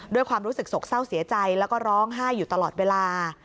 ด้วยความรู้สึกโศกเศร้าเสียใจแล้วก็ร้องไห้อยู่ตลอดเวลา